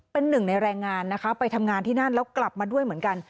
เป็นหนึ่งในแรงงานนะคะไปทำงานที่นั่นแล้วกลับมาด้วยเหมือนกัน